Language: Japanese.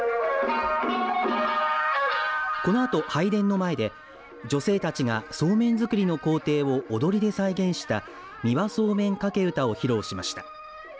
このあと、拝殿の前で女性たちがそうめん作りの工程を踊りで再現した三輪素麺掛け唄を披露しました。